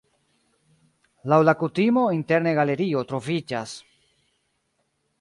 Laŭ la kutimo interne galerio troviĝas.